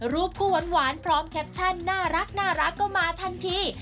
รูปคู่หวานพร้อมแคปชั่นน่ารักก็มาทันที